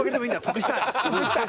得したい。